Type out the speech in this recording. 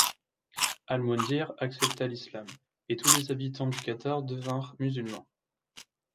Al-Mundhir accepta l'islam, et tous les habitants du Qatar devinrent musulmans.